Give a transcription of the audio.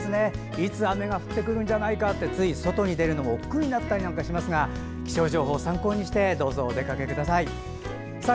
いつ、雨が降ってくるんじゃないかってつい外に出るのがおっくうになったりしますが気象情報を参考にしてお出かけください。